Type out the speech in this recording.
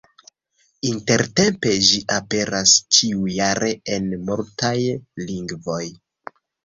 Intertempe ĝi aperas ĉiujare en multaj lingvoj.